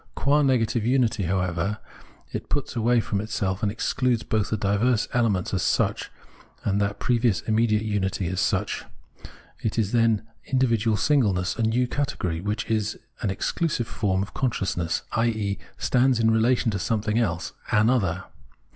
Qua negative unity, however, it puts away from itself and excludes both the diverse elements as such, and that previous immediate imity as such ; it is then individual singleness — a new category, which is an exclusive form of consciousness, i.e. stands in relation to something else, an other.